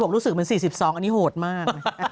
รู้สึกเหมือน๔๒อันนี้โหดมาก